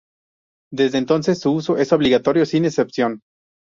Desde entonces, su uso es obligatorio sin excepción.